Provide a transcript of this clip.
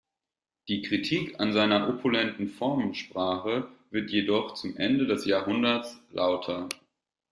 Die Kritik an seiner opulenten Formensprache wird jedoch zum Ende des Jahrhunderts lauter.